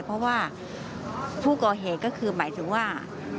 เพราะว่าผู้ก่อเหตุก็คือหมายถึงว่า